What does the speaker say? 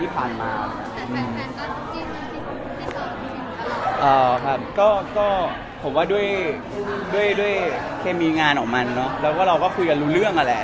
ครับก็ผมว่าด้วยเคมีงานของมันเนอะแล้วก็เราก็คุยกันรู้เรื่องนั่นแหละ